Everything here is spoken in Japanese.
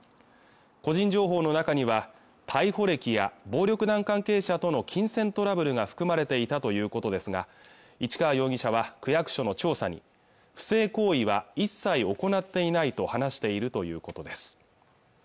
個人情報の中には逮捕歴や暴力団関係者との金銭トラブルが含まれていたということですが市川容疑者は区役所の調査に不正行為は一切行っていないと話しているということです